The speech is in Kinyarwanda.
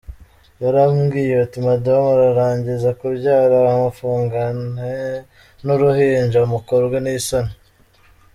Yarambwiye ati : “Madame ararangiza kubyara bamufungane n’ uruhinja mukorwe n’ isoni”.